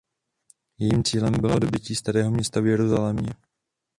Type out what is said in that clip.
Jejím cílem bylo dobytí Starého Města v Jeruzalémě.